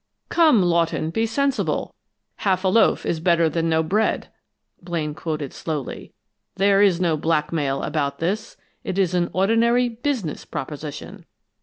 "'Come, Lawton, be sensible; half a loaf is better than no bread,'" Blaine quoted slowly. "'There is no blackmail about this it is an ordinary business proposition.'